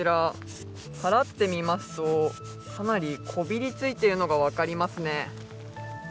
払ってみますと、かなりこびりついているのが分かりますね。